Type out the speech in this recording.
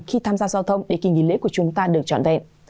khi tham gia giao thông để kỳ nghỉ lễ của chúng ta được trọn vẹn